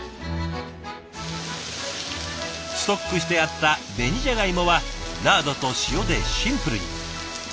ストックしてあった紅じゃがいもはラードと塩でシンプルに。